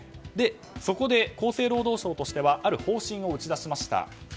そこで厚生労働省としてはある方針を打ち出しました。